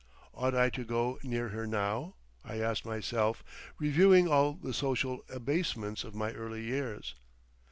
Ought I to go near her now? I asked myself, reviewing all the social abasements of my early years.